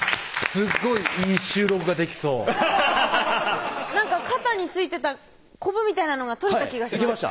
すっごいいい収録ができそう肩に付いてたこぶみたいなのが取れた気がします